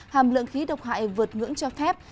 hàm lượng khí độc hại vượt ngưỡng cho phép